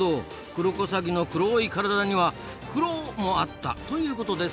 クロコサギの黒い体にはクロもあったということですな。